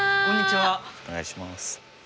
お願いします。